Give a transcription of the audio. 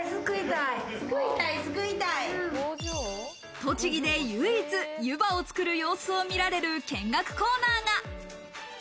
栃木で唯一、ゆばを作る様子を見られる見学コーナーが。